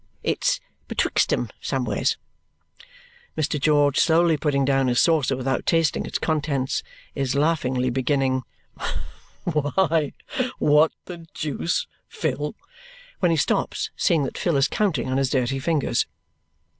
It's betwixt 'em, somewheres." Mr. George, slowly putting down his saucer without tasting its contents, is laughingly beginning, "Why, what the deuce, Phil " when he stops, seeing that Phil is counting on his dirty fingers.